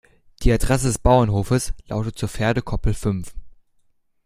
Die Adresse des Bauernhofes lautet zur Pferdekoppel fünf.